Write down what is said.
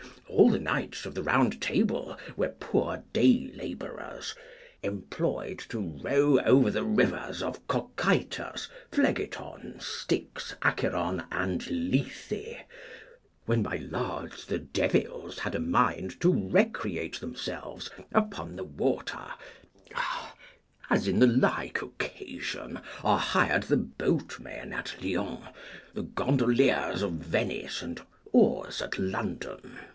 All the Knights of the Round Table were poor day labourers, employed to row over the rivers of Cocytus, Phlegeton, Styx, Acheron, and Lethe, when my lords the devils had a mind to recreate themselves upon the water, as in the like occasion are hired the boatmen at Lyons, the gondoliers of Venice, and oars at London.